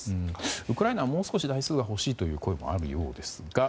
ウクライナはもう少し台数が欲しいとの声があるようですが。